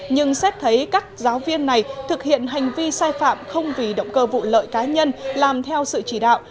nhưng xét thấy các giáo viên này thực hiện hành vi sai phạm không vì động cơ vụ lợi cá nhân làm theo sự chỉ đạo